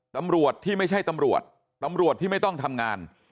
ตำรวจที่ไม่ใช่ตำรวจตำรวจที่ไม่ต้องทำงาน